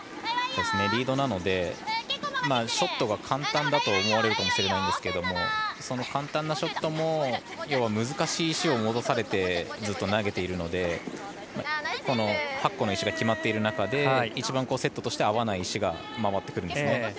リードなのでショットが簡単だと思われるかもしれないんですけどその簡単なショットも要は難しい石を持たされてずっと投げているので８個の石が決まっている中で一番セットとして合わない石が回ってくるんですね。